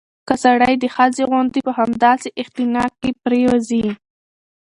که سړى د ښځې غوندې په همدغسې اختناق کې پرېوځي